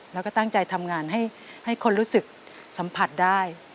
แล้วก็ตั้งใจทำงานให้คนรู้สึกสัมผัสได้